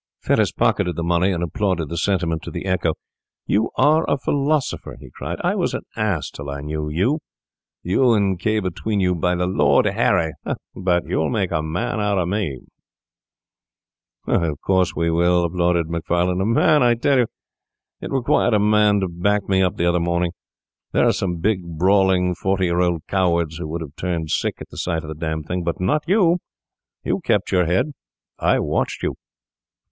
Fettes pocketed the money, and applauded the sentiment to the echo. 'You are a philosopher,' he cried. 'I was an ass till I knew you. You and K— between you, by the Lord Harry! but you'll make a man of me.' 'Of course we shall,' applauded Macfarlane. 'A man? I tell you, it required a man to back me up the other morning. There are some big, brawling, forty year old cowards who would have turned sick at the look of the d d thing; but not you—you kept your head. I watched you.